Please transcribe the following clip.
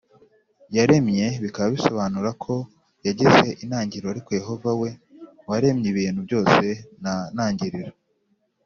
yaremwe bikaba bisobanura ko yagize intangiriro Ariko Yehova we waremye ibintu byose nta ntangiriro